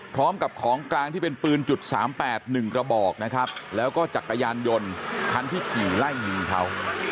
พร้อมกับของกลางที่เป็นปืนจุด๓๘๑กระบอกนะครับแล้วก็จักรยานยนต์คันที่ขี่ไล่ยิงเขา